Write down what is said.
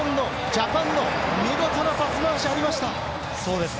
ジャパンの見事なパスワークがありました。